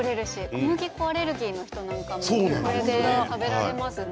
小麦粉アレルギーの人もこれなら食べられますね。